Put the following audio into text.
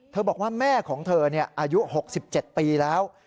เธอบอกว่าแม่ของเธอเนี่ยอายุ๖๗ปีแล้ว